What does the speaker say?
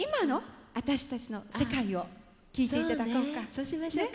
そうしましょうか。